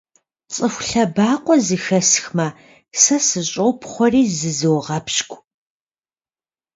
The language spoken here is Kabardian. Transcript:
ЦӀыху лъэбакъуэ зэхэсхмэ, сэ сыщӀопхъуэри зызогъэпщкӀу.